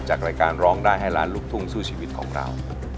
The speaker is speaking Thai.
รายการร้องได้ให้ล้านลูกทุ่งสู้ชีวิตของเรา